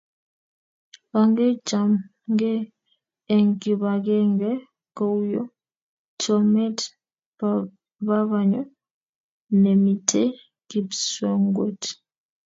Ongechamgei eng kibangenge kouyo chamet babanyo nemitei Kipswenget